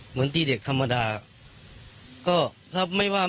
เหมือนตีเด็กธรรมดา